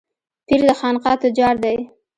پير د خانقاه تجار دی.